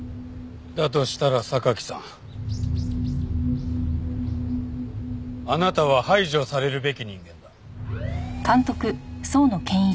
だとしたら榊さんあなたは排除されるべき人間だ。